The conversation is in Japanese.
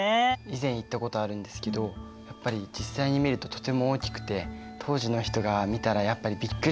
以前行ったことあるんですけどやっぱり実際に見るととても大きくて当時の人が見たらやっぱりびっくりしたんだろうなって思いました。